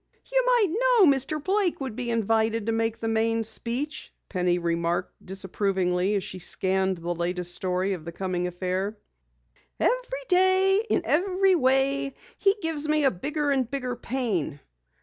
"You might know Mr. Blake would be invited to make the main speech," Penny remarked disapprovingly as she scanned the latest story of the coming affair. "Every day, in every way, he gives me a bigger and bigger pain!"